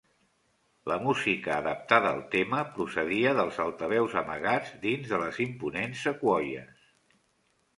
La música adaptada al tema procedia dels altaveus amagats dins les imponents sequoies.